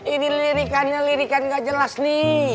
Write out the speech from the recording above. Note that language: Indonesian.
ini lirikannya lirikan nggak jelas nih